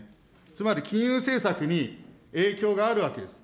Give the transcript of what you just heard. つまり金融政策に影響があるわけです。